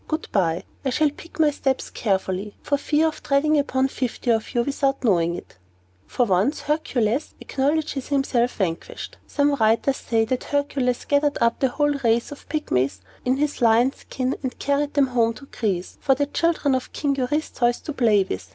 Good bye. I shall pick my steps carefully, for fear of treading upon some fifty of you, without knowing it. Ha, ha, ha! Ho, ho, ho! For once, Hercules acknowledges himself vanquished." Some writers say, that Hercules gathered up the whole race of Pygmies in his lion's skin, and carried them home to Greece, for the children of King Eurystheus to play with.